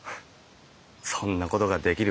そんなことができる